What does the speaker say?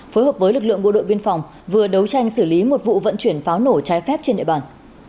phối hợp với lực lượng bộ đội biên phòng vừa đấu tranh xử lý một vụ vận chuyển pháo nổ trái phép trên địa bàn